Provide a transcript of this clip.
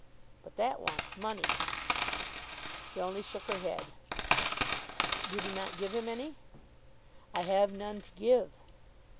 "But that wants money." She only shook her head. "You do not give him any?" "I have none to give."